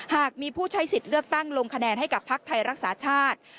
หากมีผู้ใช้สิทธิ์เลือกตั้งลงคะแนนให้กับพักไทยรักษาชาติ